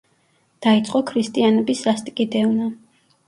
დაიწყო ქრისტიანების სასტიკი დევნა.